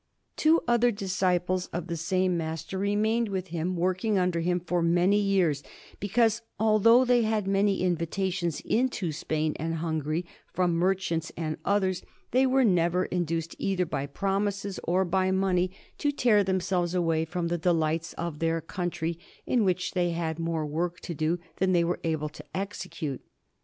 Two other disciples of the same master remained with him, working under him for many years, because, although they had many invitations into Spain and Hungary from merchants and others, they were never induced either by promises or by money to tear themselves away from the delights of their country, in which they had more work to do than they were able to execute.